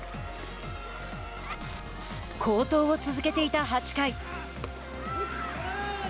好投を続けていた８回。